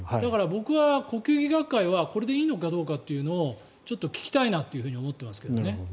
僕は呼吸器学会はこれでいいのかっていうのを聞きたいなって思っていますけどね。